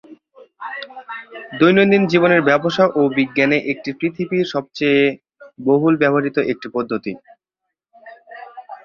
দৈনন্দিন জীবনে ব্যবসা ও বিজ্ঞানে এটি পৃথিবীর সবচেয়ে বহুল ব্যবহৃত একক পদ্ধতি।